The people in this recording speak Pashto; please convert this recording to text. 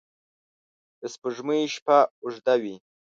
د سپوږمۍ شپه اوږده وي